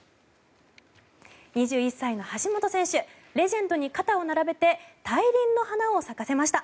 ２１歳の橋本選手レジェンドに肩を並べて大輪の花を咲かせました。